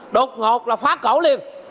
đột ngột là phát cổ liền